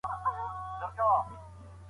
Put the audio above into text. تر لمانځه وروسته خاوند بايد کومه دعا ولولي؟